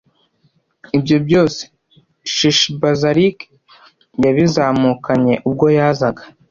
Ibyo byose Sheshibazarik yabizamukanye ubwo yazaga